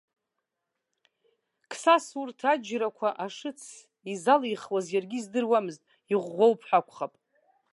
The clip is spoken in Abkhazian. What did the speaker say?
Қсас урҭ аџьарқәа ашыц изалихуаз иаргьы издыруамызт, иӷәӷәоуп ҳәа акәхап.